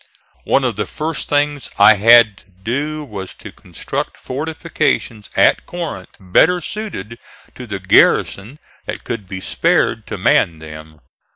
One of the first things I had to do was to construct fortifications at Corinth better suited to the garrison that could be spared to man them.